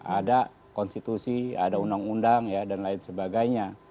ada konstitusi ada undang undang dan lain sebagainya